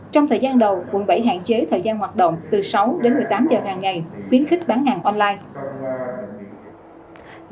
trong thời gian đầu quận bảy hạn chế thời gian hoạt động từ sáu đến một mươi tám giờ hàng ngày khuyến khích bán hàng online